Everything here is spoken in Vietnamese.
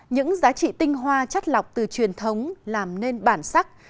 những giá trị tinh hoa chất lọc từ truyền thống làm nên bản sắc